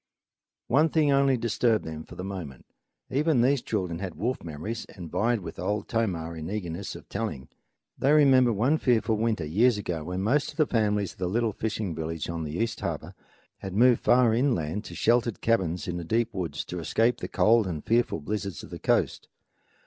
One thing only disturbed them for a moment. Even these children had wolf memories and vied with Old Tomah in eagerness of telling. They remembered one fearful winter, years ago, when most of the families of the little fishing village on the East Harbor had moved far inland to sheltered cabins in the deep woods to escape the cold and the fearful blizzards of the coast.